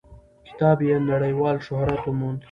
کتاب یې نړیوال شهرت وموند.